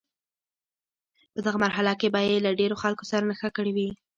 په دغه مرحله کې به یې له ډیرو خلکو سره ښه کړي وي.